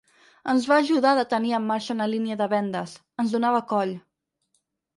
Ens va ajudar de tenir en marxa una línia de vendes, ens donava coll.